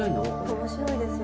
面白いですよ。